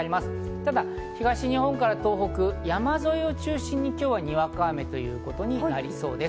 ただ、東日本から東北、山沿いを中心に今日は、にわか雨ということになりそうです。